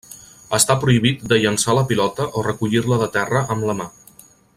Està prohibit de llançar la pilota o recollir-la de terra amb la mà.